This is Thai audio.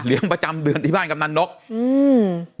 ประจำเดือนที่บ้านกำนันนกอืม